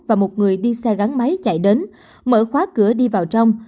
và một người đi xe gắn máy chạy đến mở khóa cửa đi vào trong